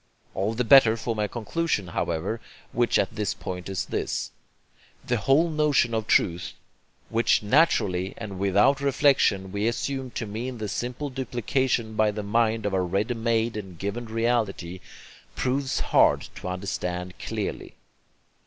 All the better for my conclusion, however, which at this point is this. The whole notion of truth, which naturally and without reflexion we assume to mean the simple duplication by the mind of a ready made and given reality, proves hard to understand clearly.